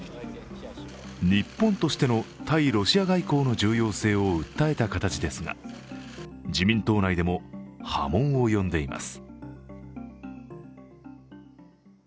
日本としての対ロシア外交の重要性を訴えた形ですが自民党内でも波紋を呼んでいます。